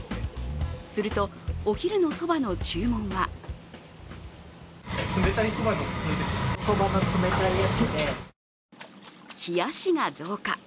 すると、お昼のそばの注文は冷やしが増加。